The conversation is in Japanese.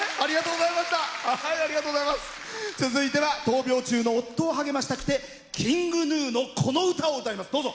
続いては闘病中の夫を励ましたくてＫｉｎｇＧｎｕのこの歌を歌います。